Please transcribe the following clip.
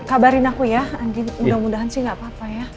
kabarin aku ya andi mudah mudahan sih gak apa apa ya